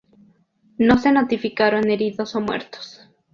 No se notificaron heridos o muertos.